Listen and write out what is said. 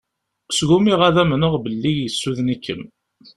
Sgumiɣ ad amneɣ belli yessuden-ikem.